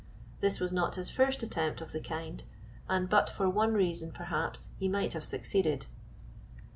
This was not his first attempt of the kind, and but for one reason perhaps he might have succeeded.